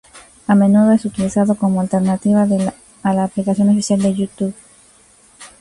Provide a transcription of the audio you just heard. A menudo es utilizado como alternativa a la aplicación oficial de YouTube.